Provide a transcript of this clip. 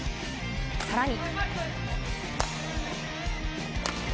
さらに。